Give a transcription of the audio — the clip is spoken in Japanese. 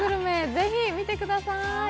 ぜひ見てください。